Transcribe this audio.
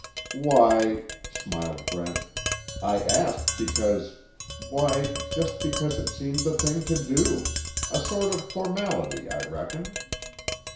"Why," smiled Brent, "I asked because why, just because it seemed the thing to do a sort of formality, I reckon."